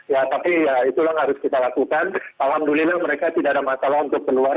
ya tapi ya itulah yang harus kita lakukan alhamdulillah mereka tidak ada masalah untuk keluar